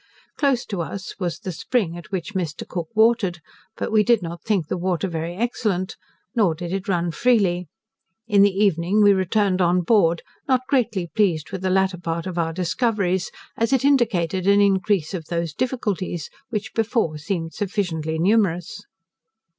Close to us was the spring at which Mr. Cook watered, but we did not think the water very excellent, nor did it run freely. In the evening we returned on board, not greatly pleased with the latter part of our discoveries, as it indicated an increase of those difficulties, which before seemed sufficiently numerous.